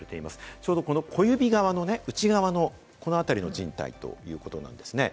ちょうど、この小指側の内側のこの辺りのじん帯ということなんですね。